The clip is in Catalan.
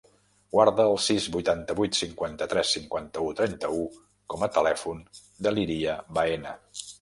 Guarda el sis, vuitanta-vuit, cinquanta-tres, cinquanta-u, trenta-u com a telèfon de l'Iria Baena.